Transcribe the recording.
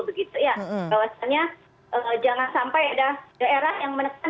bahwasannya jangan sampai ada daerah yang menekan